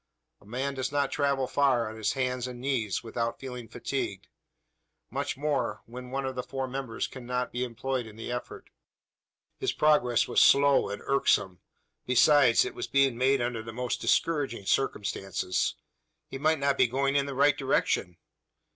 A man does not travel far, on his hands and knees, without feeling fatigued. Much more, when one of the four members cannot be employed in the effort. His progress was slow and irksome. Besides, it was being made under the most discouraging circumstances. He might not be going in the right direction?